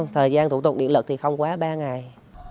thời gian thủ tục điện lực thì không quá ba ngày